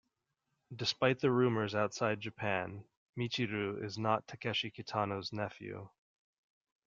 Despite the rumours outside Japan, Michiru is not Takeshi Kitano's nephew.